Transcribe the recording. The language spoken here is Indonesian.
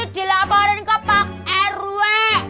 dilaporin ke pak rw